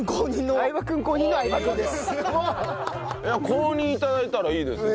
公認頂いたらいいですよ。